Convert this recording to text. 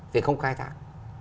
thì không khai thác